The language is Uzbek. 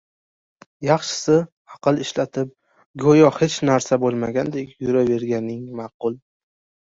yaxshisi, aql ishlatib, go‘yo hech narsa bo‘lmagandek yuraverganing ma’qul.